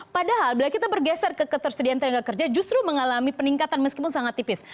padahal bila kita bergeser ke ketersediaan tenaga kerja justru mengalami peningkatan meskipun sangat tipis